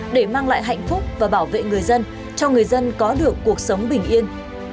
để mang lại hạnh phúc và bảo vệ người dân cho người dân có được cuộc sống bình yên